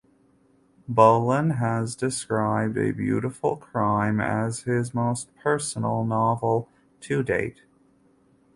Bollen has described "A Beautiful Crime" as his most personal novel to date.